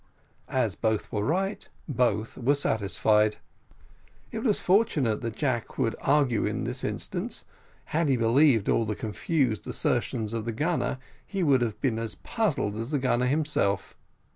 As both were right, both were satisfied. It was fortunate that Jack would argue in this instance: had he believed all the confused assertions of the gunner, he would have been as puzzled as the gunner himself.